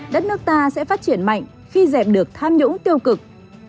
đất nước ta sẽ phát triển mạnh khi dẹp được tham nhũng tiêu cực